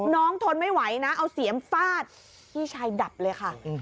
ทนไม่ไหวนะเอาเสียมฟาดพี่ชายดับเลยค่ะ